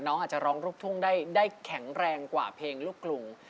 น้องอาจจะร้องลูกทุ่งได้แข็งแรงกว่าเพลงลูกกรุง